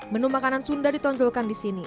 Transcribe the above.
menu makanan sunda ditonjolkan di sini